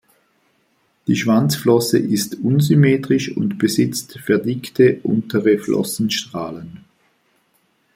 Die Schwanzflosse ist unsymmetrisch und besitzt verdickte untere Flossenstrahlen.